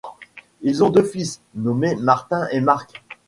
Il a deux fils, nommés Martin et Mark.